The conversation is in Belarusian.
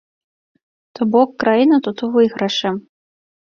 То бок, краіна тут у выйгрышы.